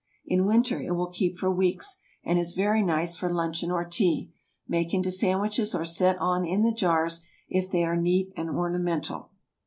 In winter it will keep for weeks, and is very nice for luncheon or tea. Make into sandwiches, or set on in the jars, if they are neat and ornamental.